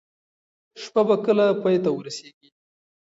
شپه به کله پای ته ورسیږي؟